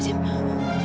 silahkan sakit water